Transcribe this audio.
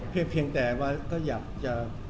เพียงแต่ว่าก็อยากจะ